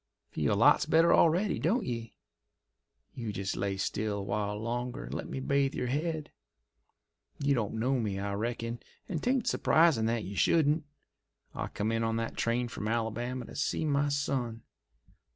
Feel lots better already, don't ye! You just lay still a while longer and let me bathe your head. You don't know me, I reckon, and 'tain't surprisin' that you shouldn't. I come in on that train from Alabama to see my son.